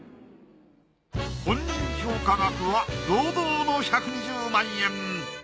本人評価額は堂々の１２０万円。